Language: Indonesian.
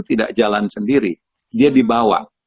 tidak jalan sendiri dia dibawa